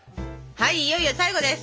はいいよいよ最後です！